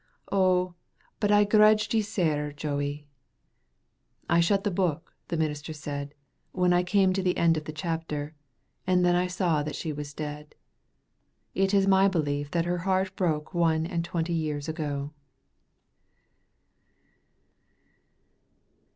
Oh, but I grudged ye sair, Joey.'" "I shut the book," the minister said, "when I came to the end of the chapter, and then I saw that she was dead. It is my belief that her heart broke one and twenty years ago."